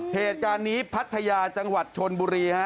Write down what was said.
เหตุการณ์นี้พัทยาจังหวัดชนบุรีฮะ